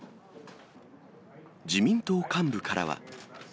自民党幹部からは。